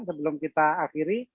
sebelum kita akhiri